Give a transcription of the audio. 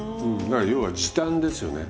だから要は時短ですよね。